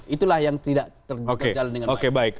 itulah yang tidak terjalan dengan baik